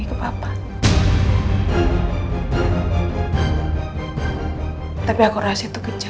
aku bisa bawa dia ke rumah ya